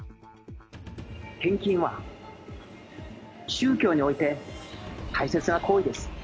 献金は宗教において大切な行為です。